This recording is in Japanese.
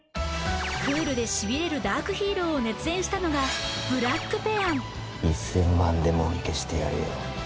クールでしびれるダークヒーローを熱演したのが１０００万でもみ消してやるよ